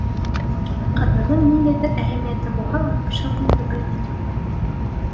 Ҡаҙнаның ниндәйҙер әһәмиәте булһа ла, кеше ғүмере бер ни тормай.